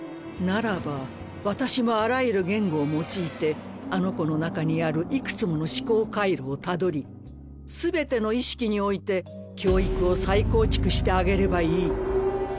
ならば私もあらゆる言語を用いてあの子の中にあるいくつもの思考回路をたどり全ての意識において教育を再構築してあげればいい。